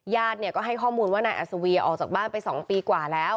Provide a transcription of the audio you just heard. ญาติก็ให้ข้อมูลว่านายอัศวีออกจากบ้านไป๒ปีกว่าแล้ว